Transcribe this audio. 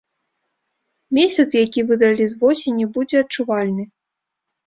Месяц, які выдралі з восені, будзе адчувальны.